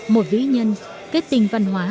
một ví nhân kết tình văn hóa